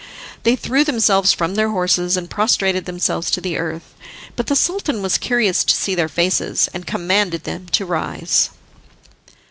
They threw themselves from their horses and prostrated themselves to the earth, but the Sultan was curious to see their faces, and commanded them to rise.